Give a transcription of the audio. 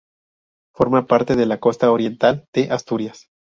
Forma parte de la Costa Oriental de Asturias.